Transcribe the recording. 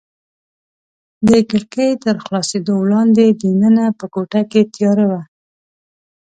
د کړکۍ تر خلاصېدو وړاندې دننه په کوټه کې تیاره وه.